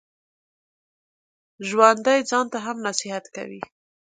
ژوندي ځان ته هم نصیحت کوي